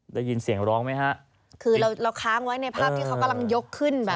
ได้ยินเสียงร้องไหมฮะคือเราเราค้างไว้ในภาพที่เขากำลังยกขึ้นแบบ